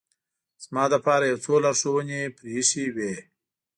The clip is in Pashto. زما لپاره یو څو لارښوونې پرې اېښې وې.